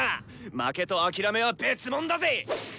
負けと諦めは別もんだぜ！